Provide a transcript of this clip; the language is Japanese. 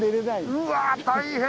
うわ大変。